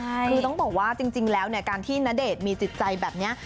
คือต้องบอกว่าจริงแล้วเนี่ยการที่ณเดชน์มีจิตใจแบบนี้